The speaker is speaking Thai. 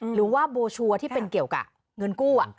หรือว่าโบชัวร์ที่เป็นเกี่ยวกับเงินกู้